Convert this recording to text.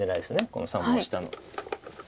この３目下の。